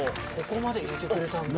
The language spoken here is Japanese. ここまで入れてくれたんだ。